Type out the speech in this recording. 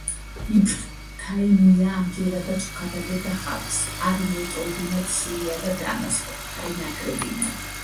იბნ თაიმია ამჯერადაც უქადაგებდა ხალხს, არ მიეტოვებინათ სირია და დამასკო გაემაგრებინათ.